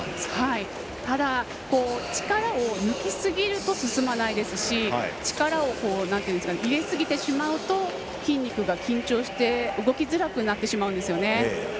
ただ、力を抜きすぎると進まないですし力を入れすぎてしまうと筋肉が緊張して動きづらくなってしまうんですよね。